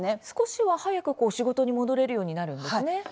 少しは早く仕事に戻れるようになるんですね。